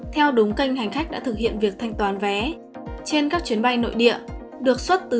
theo đúng kênh hành khách đã thực hiện việc thanh toán vé trên các chuyến bay nội địa được xuất từ